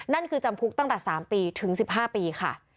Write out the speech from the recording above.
นั่นคือจำคุกตั้งแต่๓ปีถึง๑๕ปีค่ะ